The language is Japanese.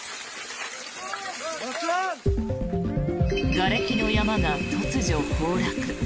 がれきの山が突如、崩落。